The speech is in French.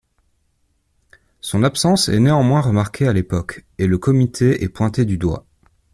Son absence est néanmoins remarquée à l'époque, et le comité est pointé du doigt.